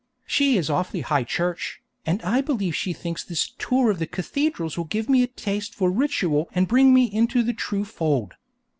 She is awfully High Church, and I believe she thinks this tour of the cathedrals will give me a taste for ritual and bring me into the true fold.